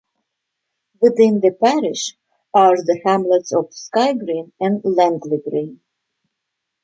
Within the parish are the hamlets of Skye Green and Langley Green.